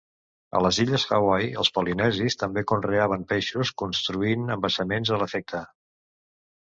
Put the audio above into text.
A les illes Hawaii els polinesis també conreaven peixos construint embassaments a l'efecte.